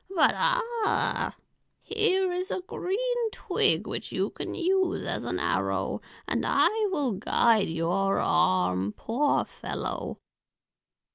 But ah, here is a green twig which you can use as an arrow, and I will guide your arm, poor fellow."